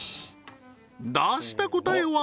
出した答えは？